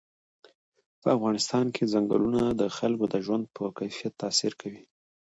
په افغانستان کې چنګلونه د خلکو د ژوند په کیفیت تاثیر کوي.